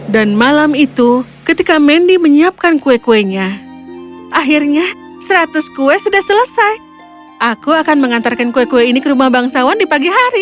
malam itu ketika mendy menyiapkan kue kuenya akhirnya seratus kue sudah selesai aku akan mengantarkan kue kue ini ke rumah bangsawan di pagi hari